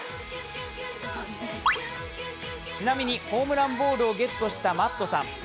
ちなみにホームランボールをゲットしたマットさん。